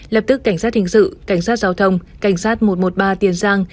lập tức cảnh sát hình sự cảnh sát giao thông cảnh sát một trăm một mươi ba tiền giang